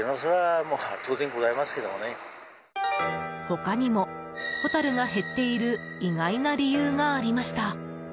他にもホタルが減っている意外な理由がありました。